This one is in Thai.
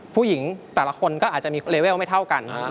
ผู้หญิงแต่ละคนก็อาจจะมีเลเวลไม่เท่ากัน